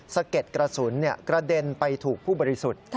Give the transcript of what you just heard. สะเก็ดกระสุนกระเด็นไปถูกผู้บริสุทธิ์